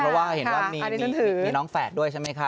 เห็นว่ามีน้องแฝดด้วยใช่ไหมครับ